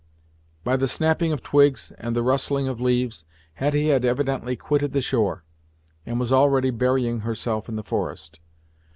By the snapping of twigs, and the rustling of leaves, Hetty had evidently quitted the shore, and was already burying herself in the forest.